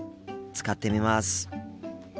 使ってみます。